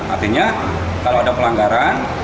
artinya kalau ada pelanggaran